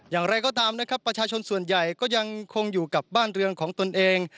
อย่างไรก็ตามนะครับประชาชนส่วนใหญ่ก็ยังคงอยู่กับบ้านเรือนของตนเอง